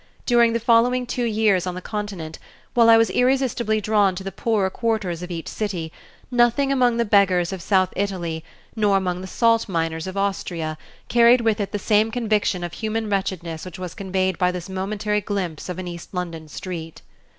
During the following two years on the continent, while I was irresistibly drawn to the poorer quarters of each city, nothing among the beggars of South Italy nor among the salt miners of Austria carried with it the same conviction of human wretchedness which was conveyed by this momentary glimpse of an East London street.